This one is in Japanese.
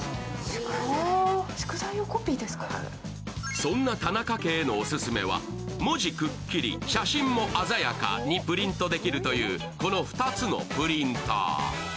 そんな田中家へのオススメは文字くっきり写真は鮮やかにプリントできるというこの２つのプリンター。